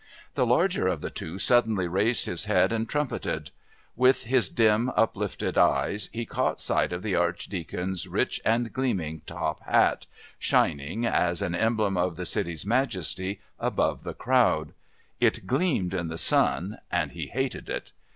The larger of the two suddenly raised his head and trumpeted; with his dim uplifted eyes he caught sight of the Archdeacon's rich and gleaming top hat shining, as an emblem of the city's majesty, above the crowd. It gleamed in the sun, and he hated it.